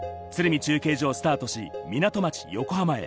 中継所をスタートし、港町・横浜へ。